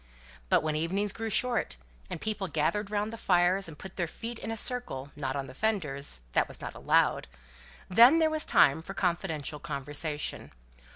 But when evenings grew short, and people gathered round the fires, and put their feet in a circle not on the fenders, that was not allowed then was the time for confidential conversation!